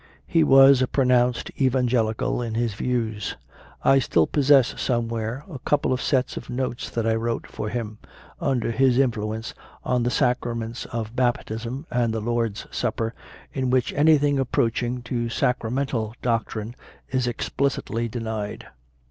He was a pro nounced Evangelical in his views: I still possess somewhere a couple of sets of notes that I wrote for him, under his influence, on the sacraments of Baptism and the Lord s Supper, in which anything approaching to sacramental doctrine is explicitly denied.